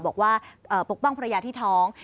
บอกว่าปกป้องภรรยาที่ท้อง